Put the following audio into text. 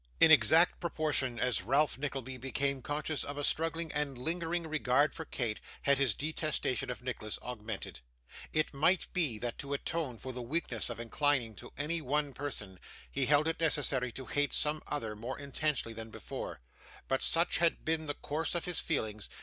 In exact proportion as Ralph Nickleby became conscious of a struggling and lingering regard for Kate, had his detestation of Nicholas augmented. It might be, that to atone for the weakness of inclining to any one person, he held it necessary to hate some other more intensely than before; but such had been the course of his feelings.